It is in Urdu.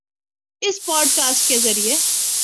اس پوڈکاسٹ کے ذریعے